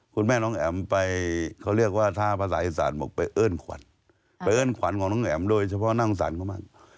คุณแม่น้องแอ๋มไปเขาเรียกว่าท่าภาษาอีสานบอกไปเอิ้นขวัญไปเอิ้นขวัญของน้องแอ๋มโดยเฉพาะนั่งสรรเขาบ้าง